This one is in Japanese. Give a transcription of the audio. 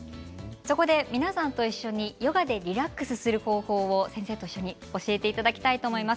皆さんと一緒にヨガでリラックスする方法を先生と一緒に教えていただきたいと思います。